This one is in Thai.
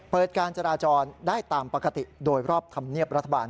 การจราจรได้ตามปกติโดยรอบธรรมเนียบรัฐบาล